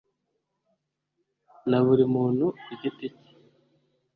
na buri muntu ku giti cye